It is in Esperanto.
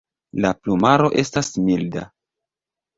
La plumaro estas milda.